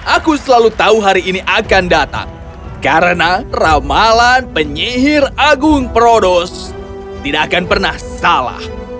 aku selalu tahu hari ini akan datang karena ramalan penyihir agung prodos tidak akan pernah salah